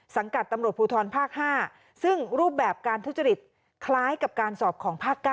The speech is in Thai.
กับตำรวจภูทรภาค๕ซึ่งรูปแบบการทุจริตคล้ายกับการสอบของภาค๙